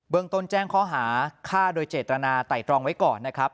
เบืองโต้นแจ้งเค้าหาค้าโดยเจตนาไตลองไว้ก่อนนะครับ